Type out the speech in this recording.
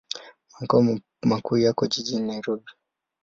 Makao makuu yapo jijini Nairobi.